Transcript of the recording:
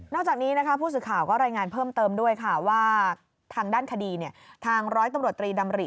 จากนี้นะคะผู้สื่อข่าวก็รายงานเพิ่มเติมด้วยค่ะว่าทางด้านคดีทางร้อยตำรวจตรีดำริ